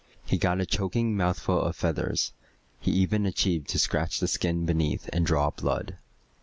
He got a choking mouthful of feathers. He even achieved to scratch the skin beneath and draw blood.